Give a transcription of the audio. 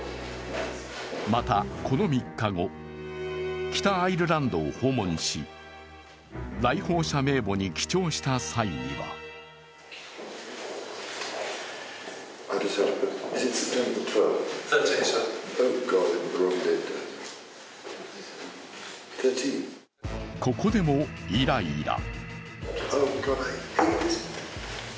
また、この３日後、北アイルランドを訪問し来訪者名簿に記帳した際にはここでもイライラ。